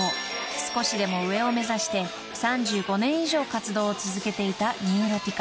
［少しでも上を目指して３５年以上活動を続けていたニューロティカ。